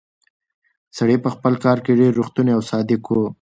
سړی په خپل کار کې ډېر ریښتونی او صادق و.